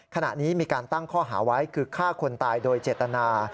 ขณะนี้มีการตั้งข้อหาไว้คือฆ่าคนตายโดยเจตนา